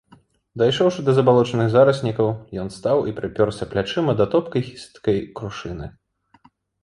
Дайшоўшы да забалочаных зараснікаў, ён стаў і прыпёрся плячыма да топкай хісткай крушыны.